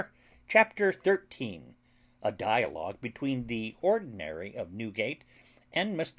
CHAPTER THIRTEEN A DIALOGUE BETWEEN THE ORDINARY OF NEWGATE AND MR.